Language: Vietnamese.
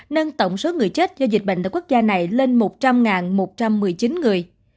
nâng tổng số người chết do dịch bệnh ở quốc gia này lên một trăm linh một trăm một mươi chín người